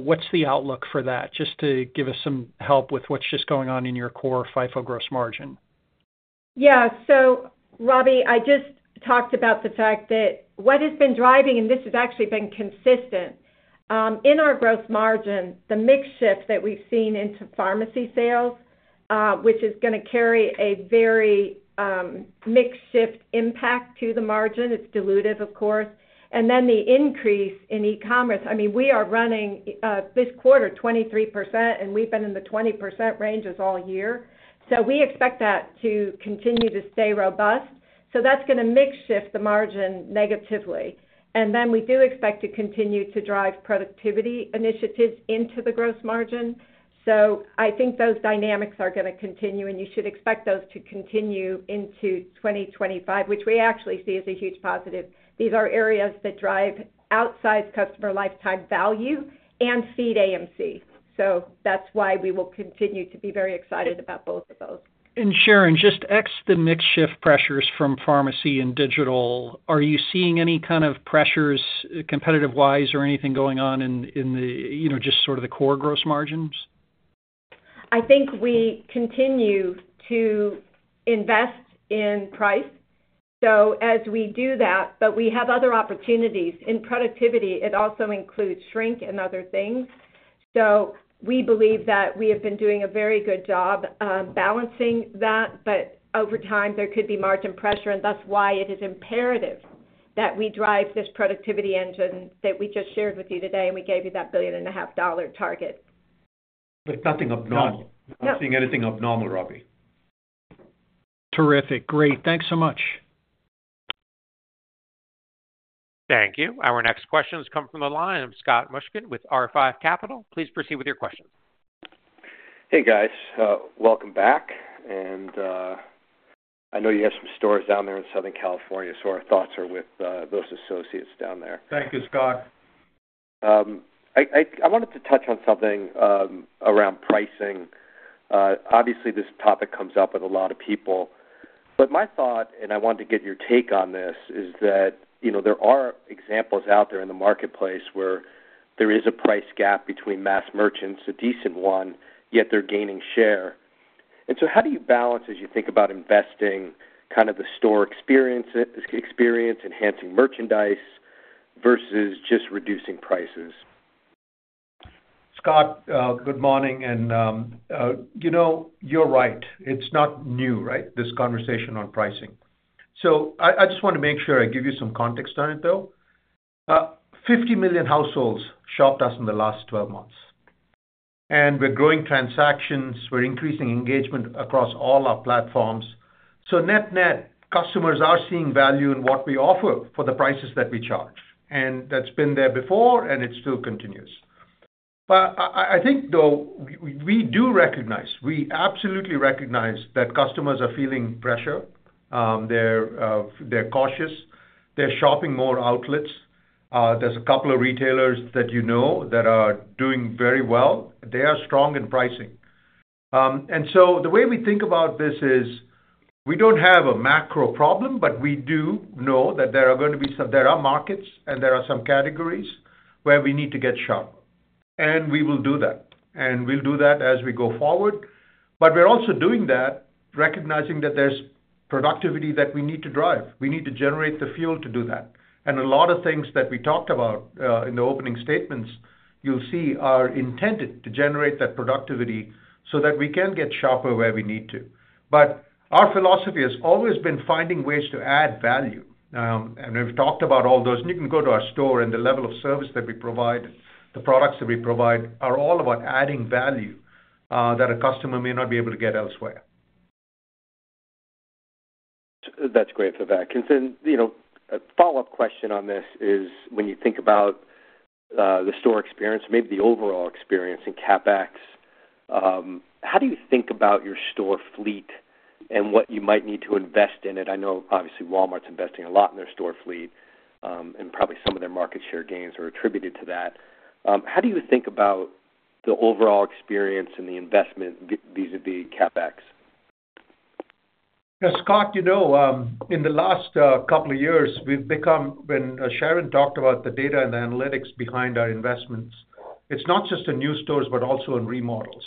what's the outlook for that? Just to give us some help with what's just going on in your core FIFO gross margin. Yeah. So, Robby, I just talked about the fact that what has been driving, and this has actually been consistent in our gross margin, the mix shift that we've seen into pharmacy sales, which is going to carry a very mix shift impact to the margin. It's dilutive, of course. And then the increase in e-commerce. I mean, we are running this quarter 23%, and we've been in the 20% range all year, so we expect that to continue to stay robust, so that's going to mix shift the margin negatively. And then we do expect to continue to drive productivity initiatives into the gross margin. So I think those dynamics are going to continue, and you should expect those to continue into 2025, which we actually see as a huge positive. These are areas that drive outsized customer lifetime value and feed AMC, so that's why we will continue to be very excited about both of those. And Sharon, just ex the mix shift pressures from pharmacy and digital, are you seeing any kind of pressures competitive-wise or anything going on in just sort of the core gross margins? I think we continue to invest in price, so as we do that, but we have other opportunities. In productivity, it also includes shrink and other things. So we believe that we have been doing a very good job balancing that, but over time, there could be margin pressure, and that's why it is imperative that we drive this productivity engine that we just shared with you today, and we gave you that $1.5 billion target. But nothing abnormal. Not seeing anything abnormal, Robbie. Terrific. Great. Thanks so much. Thank you. Our next questions come from the line of Scott Mushkin with R5 Capital. Please proceed with your questions. Hey, guys. Welcome back. And I know you have some stores down there in Southern California, so our thoughts are with those associates down there. Thank you, Scott. I wanted to touch on something around pricing. Obviously, this topic comes up with a lot of people. But my thought, and I wanted to get your take on this, is that there are examples out there in the marketplace where there is a price gap between mass merchants, a decent one, yet they're gaining share. And so how do you balance as you think about investing kind of the store experience, enhancing merchandise versus just reducing prices? Scott, good morning. And you're right. It's not new, right, this conversation on pricing. So I just want to make sure I give you some context on it, though. 50 million households shopped us in the last 12 months. And we're growing transactions. We're increasing engagement across all our platforms. So net-net, customers are seeing value in what we offer for the prices that we charge. And that's been there before, and it still continues. But I think, though, we do recognize, we absolutely recognize that customers are feeling pressure. They're cautious. They're shopping more outlets. There's a couple of retailers that, you know, that are doing very well. They are strong in pricing. And so the way we think about this is we don't have a macro problem, but we do know that there are going to be some markets, and there are some categories where we need to get sharper. And we will do that. And we'll do that as we go forward. But we're also doing that, recognizing that there's productivity that we need to drive. We need to generate the fuel to do that. And a lot of things that we talked about in the opening statements, you'll see, are intended to generate that productivity so that we can get sharper where we need to. But our philosophy has always been finding ways to add value. And we've talked about all those. And you can go to our store, and the level of service that we provide, the products that we provide, are all about adding value that a customer may not be able to get elsewhere. That's great, Vivek. And then a follow-up question on this is when you think about the store experience, maybe the overall experience in CapEx, how do you think about your store fleet and what you might need to invest in it? I know, obviously, Walmart's investing a lot in their store fleet, and probably some of their market share gains are attributed to that. How do you think about the overall experience and the investment vis-à-vis CapEx? Scott, in the last couple of years, we've become when Sharon talked about the data and the analytics behind our investments, it's not just in new stores but also in remodels.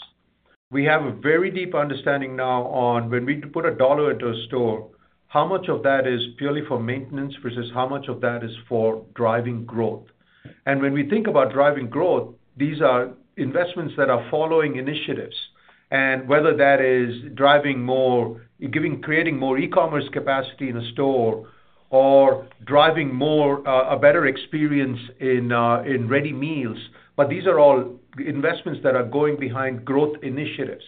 We have a very deep understanding now on when we put a dollar into a store, how much of that is purely for maintenance versus how much of that is for driving growth. And when we think about driving growth, these are investments that are following initiatives. And whether that is driving more, creating more e-commerce capacity in a store or driving a better experience in ready meals, but these are all investments that are going behind growth initiatives.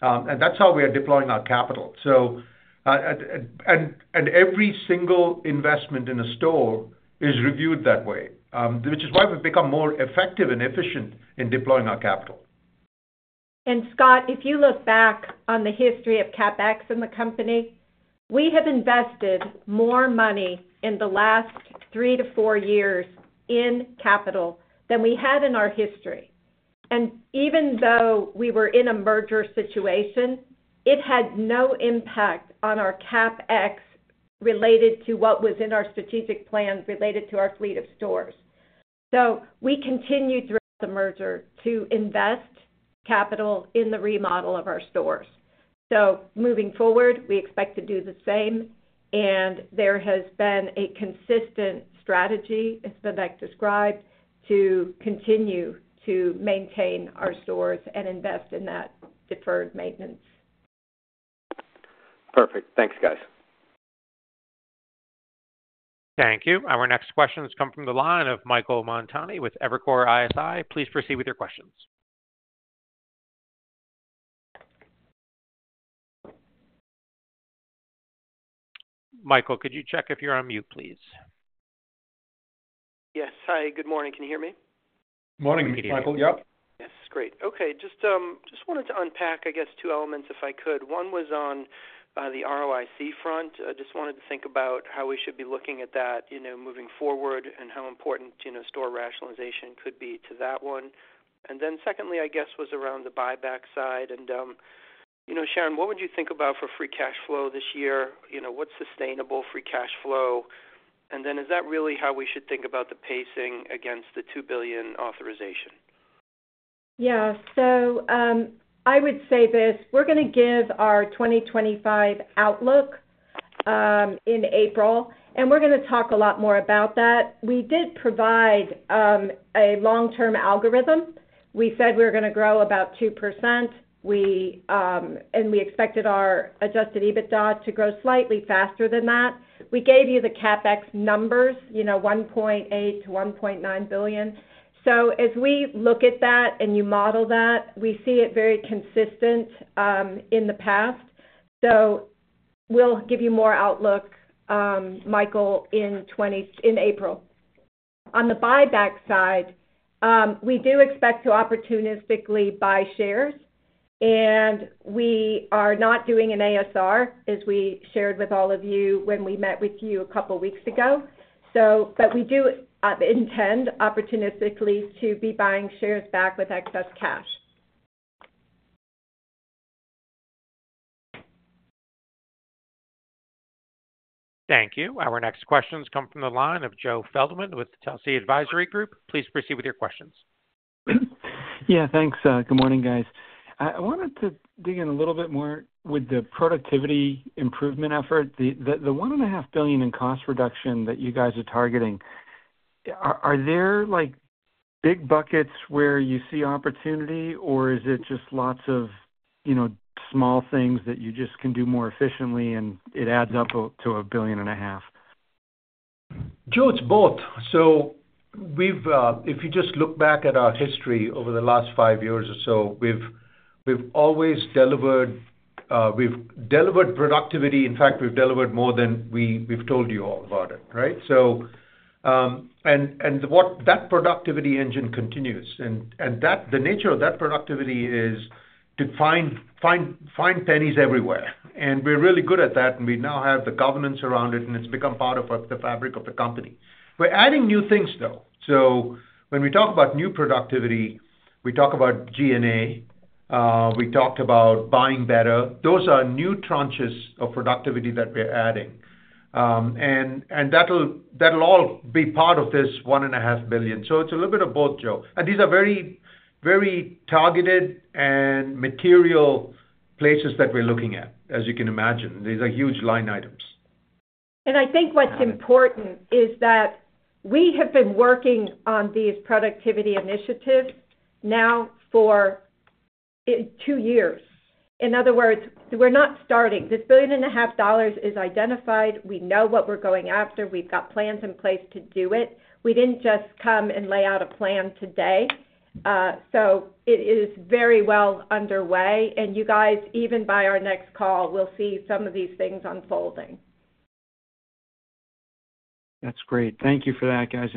And that's how we are deploying our capital. And every single investment in a store is reviewed that way, which is why we've become more effective and efficient in deploying our capital. And Scott, if you look back on the history of CapEx in the company, we have invested more money in the last three to four years in capital than we had in our history. Even though we were in a merger situation, it had no impact on our CapEx related to what was in our strategic plan related to our fleet of stores. We continued throughout the merger to invest capital in the remodel of our stores. Moving forward, we expect to do the same. There has been a consistent strategy, as Vivek described, to continue to maintain our stores and invest in that deferred maintenance. Perfect. Thanks, guys. Thank you. Our next questions come from the line of Michael Montani with Evercore ISI. Please proceed with your questions. Michael, could you check if you're on mute, please? Yes. Hi. Good morning. Can you hear me? Morning, Michael. Yep. Yes. Great. Okay. Just wanted to unpack, I guess, two elements if I could. One was on the ROIC front. Just wanted to think about how we should be looking at that moving forward and how important store rationalization could be to that one. And then secondly, I guess, was around the buyback side. And Sharon, what would you think about for free cash flow this year? What's sustainable free cash flow? And then is that really how we should think about the pacing against the $2 billion authorization? Yeah. So I would say this. We're going to give our 2025 outlook in April, and we're going to talk a lot more about that. We did provide a long-term algorithm. We said we were going to grow about 2%, and we expected our adjusted EBITDA to grow slightly faster than that. We gave you the CapEx numbers, $1.8-$1.9 billion. So as we look at that and you model that, we see it very consistent in the past. So we'll give you more outlook, Michael, in April. On the buyback side, we do expect to opportunistically buy shares. And we are not doing an ASR, as we shared with all of you when we met with you a couple of weeks ago. But we do intend opportunistically to be buying shares back with excess cash. Thank you. Our next questions come from the line of Joe Feldman with Telsey Advisory Group. Please proceed with your questions. Yeah. Thanks. Good morning, guys. I wanted to dig in a little bit more with the productivity improvement effort. The $1.5 billion in cost reduction that you guys are targeting, are there big buckets where you see opportunity, or is it just lots of small things that you just can do more efficiently, and it adds up to a billion and a half? Joe, it's both. So if you just look back at our history over the last five years or so, we've always delivered productivity. In fact, we've delivered more than we've told you all about it, right? And that productivity engine continues. And the nature of that productivity is to find pennies everywhere. And we're really good at that, and we now have the governance around it, and it's become part of the fabric of the company. We're adding new things, though. So when we talk about new productivity, we talk about G&A. We talked about buying better. Those are new tranches of productivity that we're adding. And that'll all be part of this $1.5 billion. So it's a little bit of both, Joe. And these are very targeted and material places that we're looking at, as you can imagine. These are huge line items. I think what's important is that we have been working on these productivity initiatives now for two years. In other words, we're not starting. This $1.5 billion is identified. We know what we're going after. We've got plans in place to do it. We didn't just come and lay out a plan today. It is very well underway. You guys, even by our next call, we'll see some of these things unfolding. That's great. Thank you for that, guys.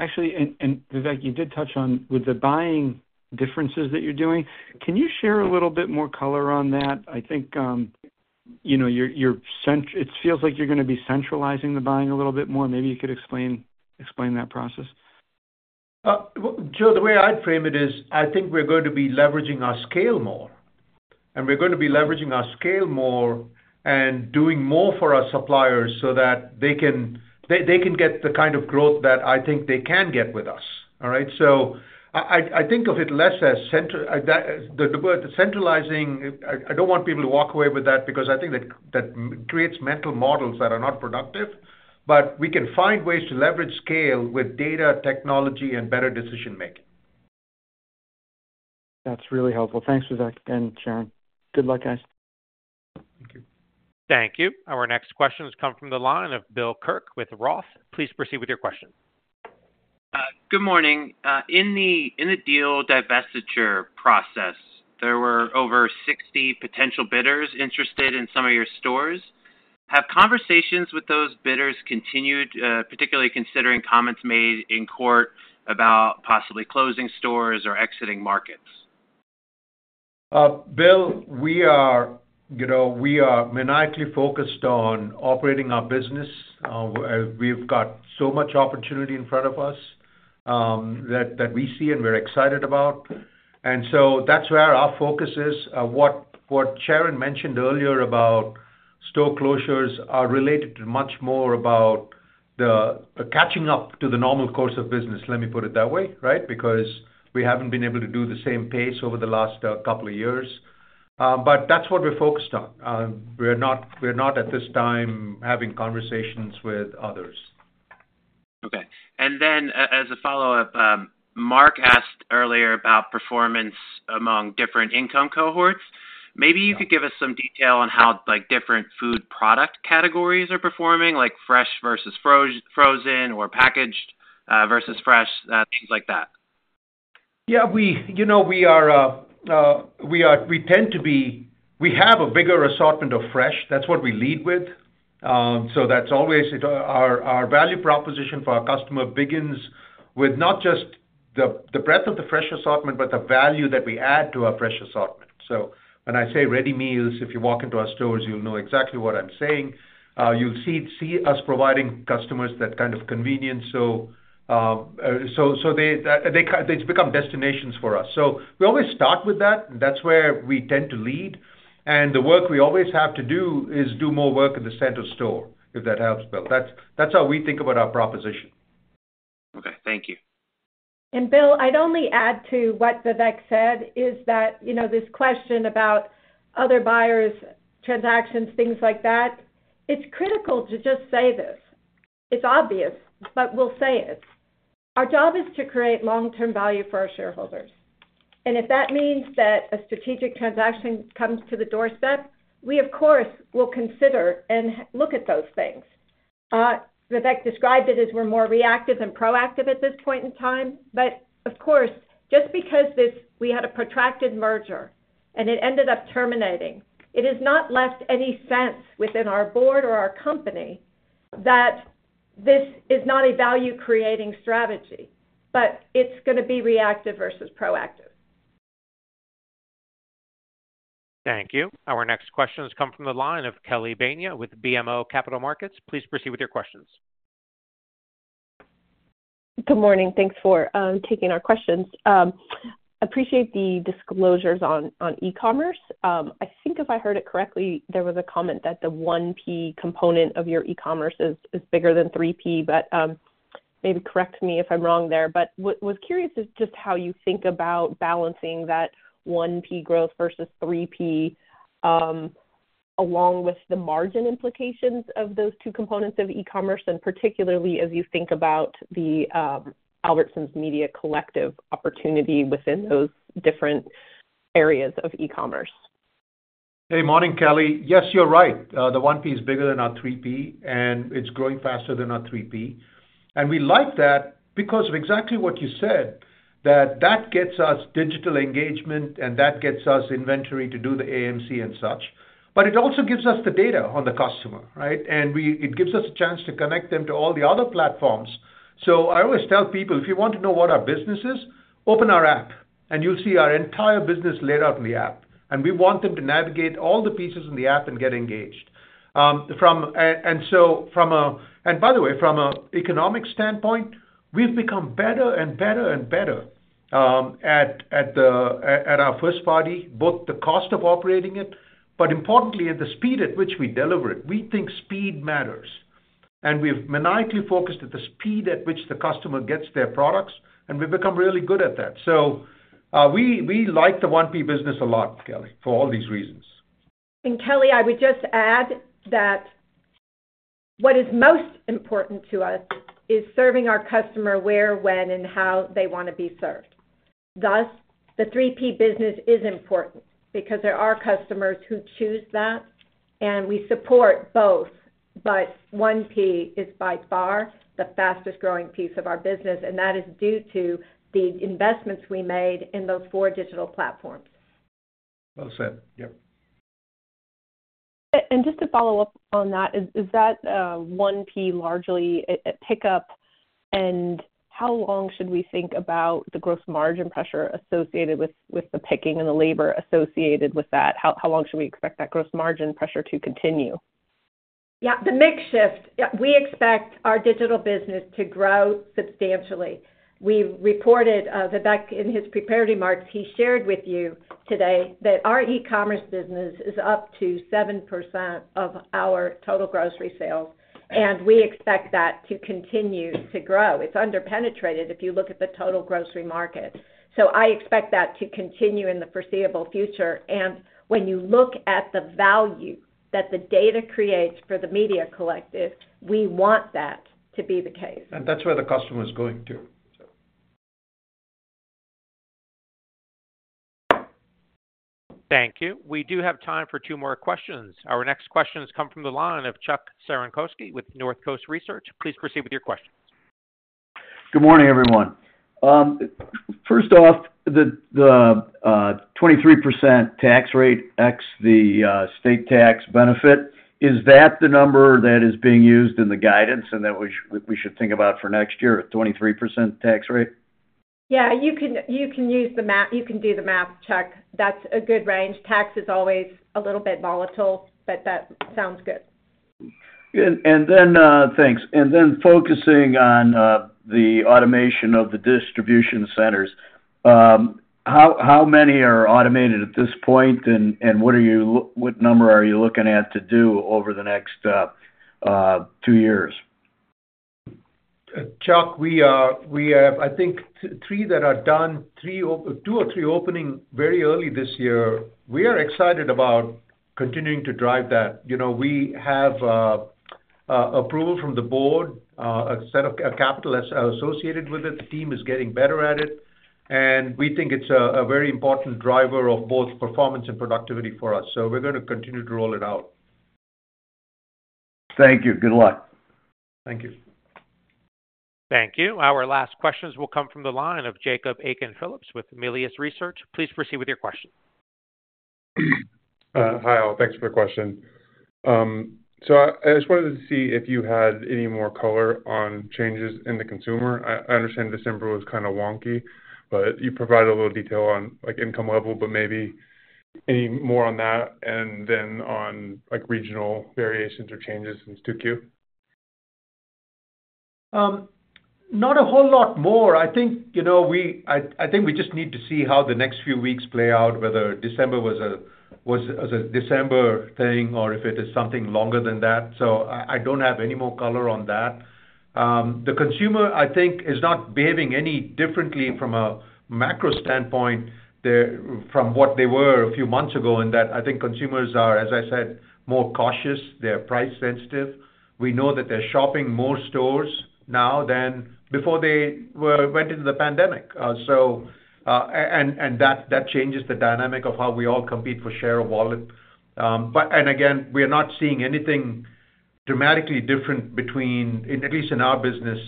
Actually, Vivek, you did touch on with the buying differences that you're doing. Can you share a little bit more color on that? I think it feels like you're going to be centralizing the buying a little bit more. Maybe you could explain that process. Joe, the way I'd frame it is I think we're going to be leveraging our scale more. And we're going to be leveraging our scale more and doing more for our suppliers so that they can get the kind of growth that I think they can get with us, all right? So I think of it less as centralizing. I don't want people to walk away with that because I think that creates mental models that are not productive. But we can find ways to leverage scale with data, technology, and better decision-making. That's really helpful. Thanks, Vivek and Sharon. Good luck, guys. Thank you. Thank you. Our next questions come from the line of Bill Kirk with Roth. Please proceed with your question. Good morning. In the deal divestiture process, there were over 60 potential bidders interested in some of your stores. Have conversations with those bidders continued, particularly considering comments made in court about possibly closing stores or exiting markets? Bill, we are maniacally focused on operating our business. We've got so much opportunity in front of us that we see and we're excited about. And so that's where our focus is. What Sharon mentioned earlier about store closures are related to much more about catching up to the normal course of business, let me put it that way, right? Because we haven't been able to do the same pace over the last couple of years. But that's what we're focused on. We're not, at this time, having conversations with others. Okay. And then as a follow-up, Mark asked earlier about performance among different income cohorts. Maybe you could give us some detail on how different food product categories are performing, like fresh versus frozen or packaged versus fresh, things like that. Yeah. We tend to be. We have a bigger assortment of fresh. That's what we lead with. So that's always our value proposition for our customer begins with not just the breadth of the fresh assortment, but the value that we add to our fresh assortment. So when I say ready meals, if you walk into our stores, you'll know exactly what I'm saying. You'll see us providing customers that kind of convenience. So they've become destinations for us. So we always start with that. That's where we tend to lead. And the work we always have to do is do more work in the center store, if that helps, Bill. That's how we think about our proposition. Okay. Thank you. And Bill, I'd only add to what Vivek said is that this question about other buyers, transactions, things like that, it's critical to just say this. It's obvious, but we'll say it. Our job is to create long-term value for our shareholders. And if that means that a strategic transaction comes to the doorstep, we, of course, will consider and look at those things. Vivek described it as we're more reactive than proactive at this point in time. But of course, just because we had a protracted merger and it ended up terminating, it has not left any sense within our board or our company that this is not a value-creating strategy, but it's going to be reactive versus proactive. Thank you. Our next questions come from the line of Kelly Bania with BMO Capital Markets. Please proceed with your questions. Good morning. Thanks for taking our questions. I appreciate the disclosures on e-commerce. I think if I heard it correctly, there was a comment that the 1P component of your e-commerce is bigger than 3P, but maybe correct me if I'm wrong there. But I was curious just how you think about balancing that 1P growth versus 3P along with the margin implications of those two components of e-commerce, and particularly as you think about the Albertsons Media Collective opportunity within those different areas of e-commerce. Hey, morning, Kelly. Yes, you're right. The 1P is bigger than our 3P, and it's growing faster than our 3P. And we like that because of exactly what you said, that that gets us digital engagement, and that gets us inventory to do the AMC and such. But it also gives us the data on the customer, right? And it gives us a chance to connect them to all the other platforms. So I always tell people, "If you want to know what our business is, open our app, and you'll see our entire business laid out in the app." And we want them to navigate all the pieces in the app and get engaged. And by the way, from an economic standpoint, we've become better and better and better at our first-party, both the cost of operating it, but importantly, at the speed at which we deliver it. We think speed matters. And we've maniacally focused at the speed at which the customer gets their products, and we've become really good at that. So we like the 1P business a lot, Kelly, for all these reasons. And Kelly, I would just add that what is most important to us is serving our customer where, when, and how they want to be served. Thus, the 3P business is important because there are customers who choose that, and we support both. But 1P is by far the fastest-growing piece of our business, and that is due to the investments we made in those four digital platforms. Well said. Yep. And just to follow up on that, is that 1P largely a pickup? And how long should we think about the gross margin pressure associated with the picking and the labor associated with that? How long should we expect that gross margin pressure to continue? Yeah. The mix shift. We expect our digital business to grow substantially. We reported Vivek in his prepared remarks. He shared with you today that our e-commerce business is up to 7% of our total grocery sales, and we expect that to continue to grow. It's underpenetrated if you look at the total grocery market. So I expect that to continue in the foreseeable future. And when you look at the value that the data creates for the Media Collective, we want that to be the case. And that's where the customer is going to, so. Thank you. We do have time for two more questions. Our next questions come from the line of Chuck Cerankosky with Northcoast Research. Please proceed with your questions. Good morning, everyone. First off, the 23% tax rate ex the state tax benefit, is that the number that is being used in the guidance and that we should think about for next year, a 23% tax rate? Yeah. You can use the math. You can do the math, Chuck. That's a good range. Tax is always a little bit volatile, but that sounds good. And then thanks. And then focusing on the automation of the distribution centers, how many are automated at this point, and what number are you looking at to do over the next two years? Chuck, we have, I think, three that are done, two or three opening very early this year. We are excited about continuing to drive that. We have approval from the board, a set of capital associated with it. The team is getting better at it. And we think it's a very important driver of both performance and productivity for us. So we're going to continue to roll it out. Thank you. Good luck. Thank you. Thank you. Our last questions will come from the line of Jacob Aiken-Phillips with Melius Research. Please proceed with your question. Hi, all. Thanks for the question. So I just wanted to see if you had any more color on changes in the consumer. I understand December was kind of wonky, but you provided a little detail on income level, but maybe any more on that and then on regional variations or changes since 2Q? Not a whole lot more. I think we just need to see how the next few weeks play out, whether December was a December thing or if it is something longer than that. So I don't have any more color on that. The consumer, I think, is not behaving any differently from a macro standpoint from what they were a few months ago in that I think consumers are, as I said, more cautious. They're price-sensitive. We know that they're shopping more stores now than before they went into the pandemic. And that changes the dynamic of how we all compete for share of wallet. And again, we are not seeing anything dramatically different between, at least in our business,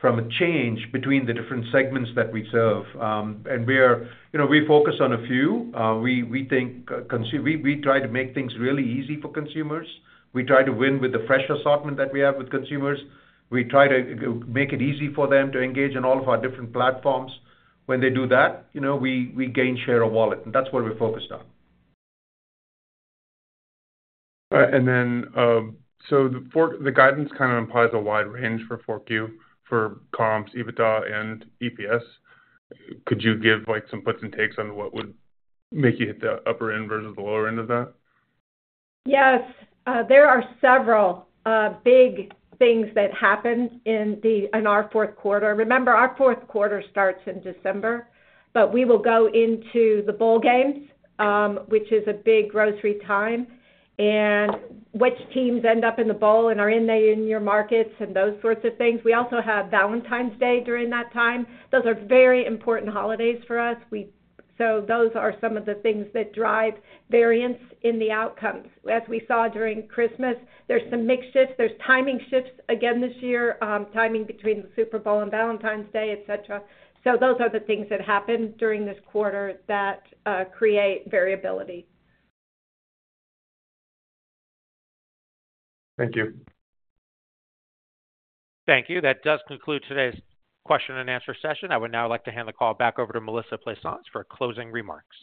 from a change between the different segments that we serve. And we focus on a few. We try to make things really easy for consumers. We try to win with the fresh assortment that we have with consumers. We try to make it easy for them to engage in all of our different platforms. When they do that, we gain share of wallet. And that's what we're focused on. All right. And then so the guidance kind of implies a wide range for 4Q for comps, EBITDA, and EPS. Could you give some puts and takes on what would make you hit the upper end versus the lower end of that? Yes. There are several big things that happen in our fourth quarter. Remember, our fourth quarter starts in December, but we will go into the bowl games, which is a big grocery time, and which teams end up in the bowl and are in your markets and those sorts of things. We also have Valentine's Day during that time. Those are very important holidays for us. So those are some of the things that drive variance in the outcomes. As we saw during Christmas, there's some mix shifts. There's timing shifts again this year, timing between the Super Bowl and Valentine's Day, etc. So those are the things that happen during this quarter that create variability. Thank you. Thank you. That does conclude today's question and answer session. I would now like to hand the call back over to Melissa Plaisance for closing remarks.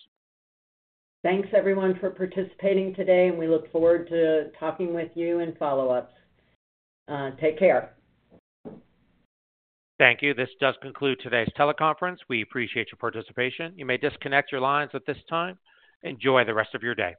Thanks, everyone, for participating today, and we look forward to talking with you in follow-ups. Take care. Thank you. This does conclude today's teleconference. We appreciate your participation. You may disconnect your lines at this time. Enjoy the rest of your day.